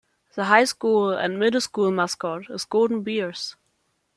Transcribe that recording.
The high school and middle school's mascot is Golden Bears.